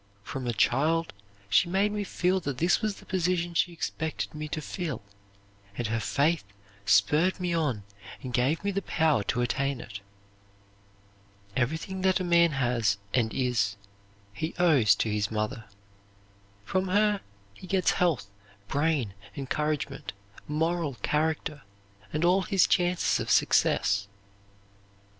From a child she made me feel that this was the position she expected me to fill; and her faith spurred me on and gave me the power to attain it." Everything that a man has and is he owes to his mother. From her he gets health, brain, encouragement, moral character, and all his chances of success.